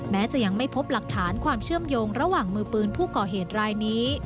จะยังไม่พบหลักฐานความเชื่อมโยงระหว่างมือปืนผู้ก่อเหตุรายนี้